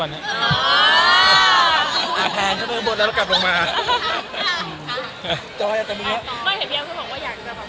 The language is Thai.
อยากจะแบบให้เป็นลูกหน่อยอะไรอย่างงี้